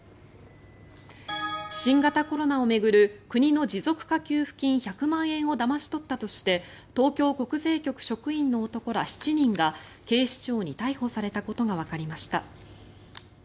新型コロナを巡る国の持続化給付金１００万円をだまし取ったとして東京国税局職員の男ら７人が警視庁に逮捕されたことがわかりました。